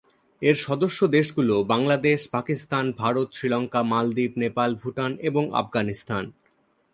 এর সদস্য দেশগুলো বাংলাদেশ, পাকিস্তান, ভারত, শ্রীলঙ্কা, মালদ্বীপ, নেপাল, ভুটান এবং আফগানিস্তান।